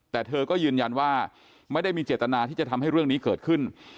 แต่เธอก็ยืนยันว่าไม่ได้มีเจตนาที่จะทำให้เรื่องนี้เกิดขึ้น